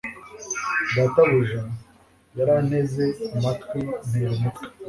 Databuja yaranteze amatwi ntera umutwe